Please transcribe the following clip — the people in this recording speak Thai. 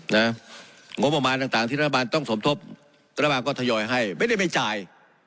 งบประมาณต่างที่รัฐบาลต้องสมทบรัฐบาลก็ทยอยให้ไม่ได้ไม่จ่าย